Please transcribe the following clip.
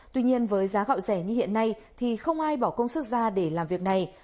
tuy nhiên với giá gạo rẻ như hiện nay thì không ai bỏ công sức ra để làm việc này